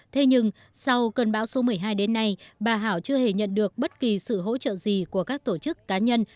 thế nhưng sau cơn bão số một mươi hai đến nay bà hảo chưa hề nhận được bất kỳ sự hỗ trợ gì của các tổ chức cá nhân